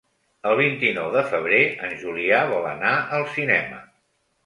El vint-i-nou de febrer en Julià vol anar al cinema.